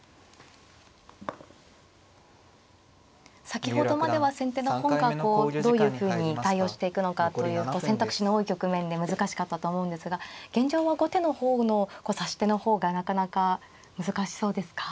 先ほどまでは先手の方がこうどういうふうに対応していくのかという選択肢の多い局面で難しかったと思うんですが現状は後手の方の指し手の方がなかなか難しそうですか。